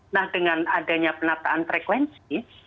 nah dengan adanya penataan frekuensi